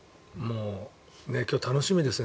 今日、楽しみですね